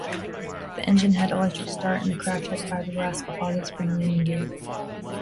The engine had electric start and the craft had fiberglass composite spring landing gear.